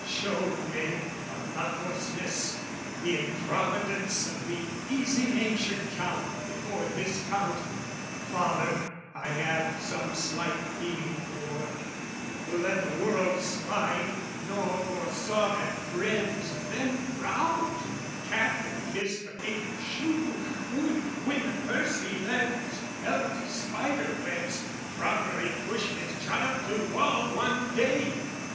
Show men the lucklessness, the improvidence Of the easy natured Count before this Count, The father I have some slight feeling for, Who let the world slide, nor foresaw that friends Then proud to cap and kiss the patron's shoe, Would, when the purse he left held spider webs, Properly push his child to wall one day!